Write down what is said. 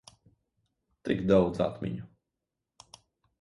Tik daudz atmiņu.